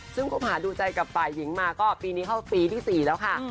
ซึ่งคบหาดูใจกับฝ่ายหญิงมาก็ปีนี้เข้าปีที่๔แล้วค่ะ